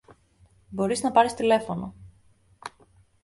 μπορείς να πάρεις τηλέφωνο